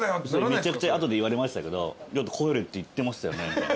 めちゃくちゃ後で言われましたけど「帰れ」って言ってましたよね？